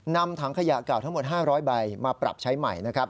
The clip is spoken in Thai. นำถังขยะเก่าทั้งหมด๕๐๐ใบมาปรับใช้ใหม่นะครับ